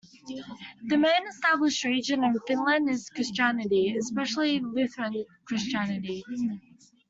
The main established religion in Finland is Christianity, especially Lutheran Christianity.